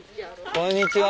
こんにちは。